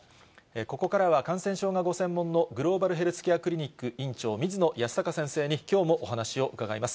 ここからは感染症がご専門のグローバルヘルスケアクリニック院長、水野泰孝先生に、きょうもお話を伺います。